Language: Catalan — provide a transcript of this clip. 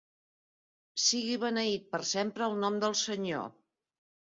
Sigui beneït per sempre el nom del Senyor.